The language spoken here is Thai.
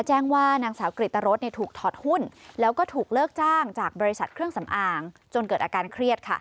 แจ้งว่านางสาวกริตรสถูกถอดหุ้นแล้วก็ถูกเลิกจ้างจากบริษัทเครื่องสำอางจนเกิดอาการเครียด